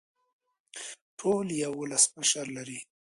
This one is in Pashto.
ټول یو ولسمشر لري